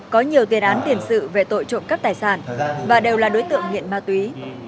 có nhiều tiền án tiền sự về tội trộm cắp tài sản và đều là đối tượng nghiện ma túy